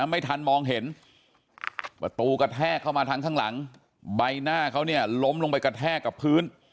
ไม่ทันมองเห็นประตูกระแทกเข้ามาทางข้างหลังใบหน้าเขาเนี่ยล้มลงไปกระแทกกับพื้น